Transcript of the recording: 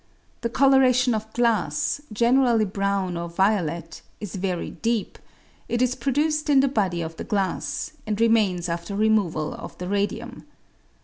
^ The colouration of glass, generally brown or violet, is very deep ; it is produced in the body of the glass, and remams after removal of the radium.